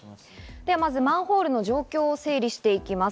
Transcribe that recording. ではまずはマンホールの状況を整理していきます。